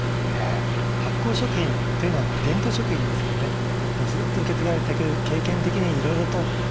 発酵食品というのは伝統食品ですからねもうずっと受け継がれていく経験的にいろいろと洗練されてきてる。